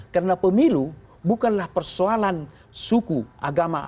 karena pemilu bukanlah persoalan suku agama